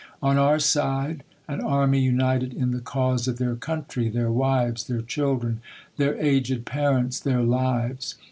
On our side, anv army united in the cause of their country, their wives, their children, their aged parents, their lives.